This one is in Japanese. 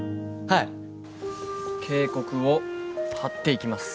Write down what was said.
はい警告を貼っていきます